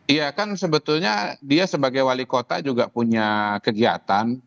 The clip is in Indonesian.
iya kan sebetulnya dia sebagai wali kota juga punya kegiatan